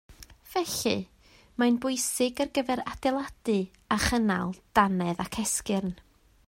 Felly, mae'n bwysig ar gyfer adeiladu a chynnal dannedd ac esgyrn